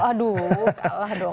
aduh kalah dong